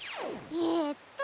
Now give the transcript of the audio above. えっと。